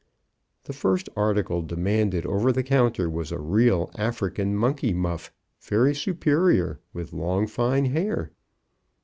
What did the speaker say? The first article demanded over the counter was a real African monkey muff, very superior, with long fine hair.